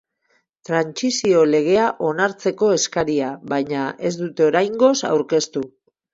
Trantsizio legea onartzeko eskaria, baina, ez dute oraingoz aurkeztu.